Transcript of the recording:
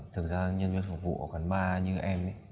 thực ra nhân viên phục vụ ở quán bar như em ấy